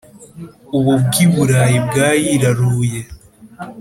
Ubu bw' i Burayi bwayiraruye